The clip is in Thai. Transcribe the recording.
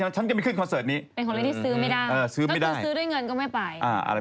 ฉันก็ไม่ขึ้นคอนเสิร์ตนี้